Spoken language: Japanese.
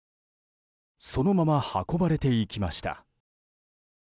そのまま運ばれていきました。